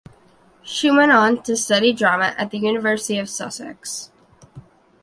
She went on to study drama at the University of Sussex.